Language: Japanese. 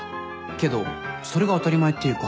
けどそれが当たり前っていうか。